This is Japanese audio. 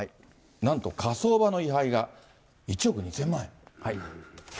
なんと火葬場の遺灰が１億２０００万円？